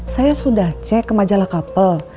saya sudah cek ke majalah kapal